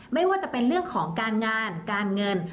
ไม่ว่าจะเป็นเรื่องของการงานการเงิน